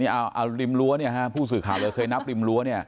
เอาลิมรั้วผู้สื่อข่าวเคยนับลิมรั้ว